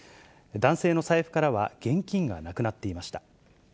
男性の財布からは現金がなくなっていました。